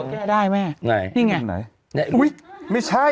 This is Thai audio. แก้ได้ไหมนี่ไงอุ๊ยไม่ใช่